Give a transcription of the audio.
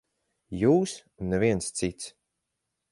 Jūs un neviens cits.